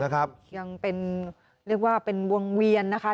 ยังเป็นเรียกว่าเป็นวงเวียนนะคะ